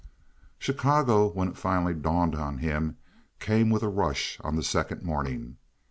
Chicago, when it finally dawned on him, came with a rush on the second morning.